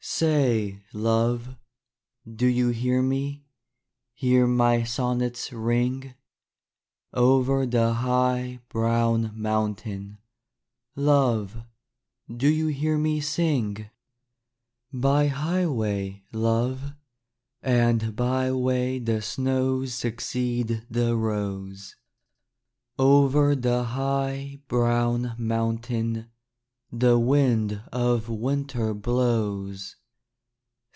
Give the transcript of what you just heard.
Say, love, do you hear me, Hear my sonnets ring ? Over the high, brown mountain, Love, do you hear me sing ? By highway, love, and byway The snows succeed the rose. Over the high, brown mountain The wind of winter blows.